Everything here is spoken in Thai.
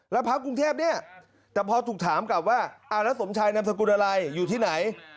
แล้วพักกรุงเทพเนี่ยแต่พอถูกถามกลับว่าเอาแล้วสมชายนามสกุลอะไรอยู่ที่ไหน